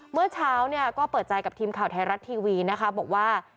เมื่อเช้าเนี่ยก็เปิดใจกับทีมข่าวไทยรัฐทีวีนะคะบอกว่า